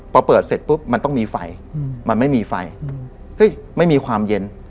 พอเปิดเสร็จปุ๊บมันต้องมีไฟมันไม่มีไฟไม่มีความเย็น